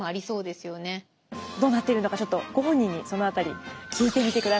どうなっているのかちょっとご本人にその辺り聞いてみてください。